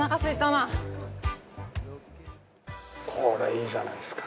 長嶋：これいいじゃないですか。